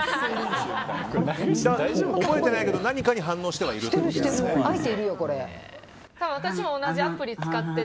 覚えてないけど何かに反応しているって。